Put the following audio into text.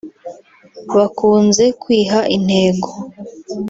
bakunze kwiha intego